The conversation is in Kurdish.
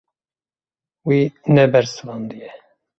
Wî nebersivandiye.